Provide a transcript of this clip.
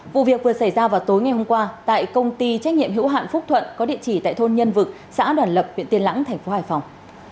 vụ việc vừa xảy ra vào tối ngày hôm qua tại công ty trách nhiệm hữu hạn phúc thuận có địa chỉ tại thôn nhân vực xã đoàn lập huyện tiên lãng thành phố hải phòng